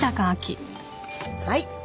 はい。